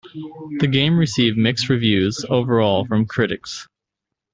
The game received mixed reviews overall from critics.